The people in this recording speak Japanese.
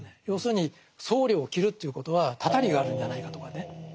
要するに僧侶を斬るということはたたりがあるんじゃないかとかね。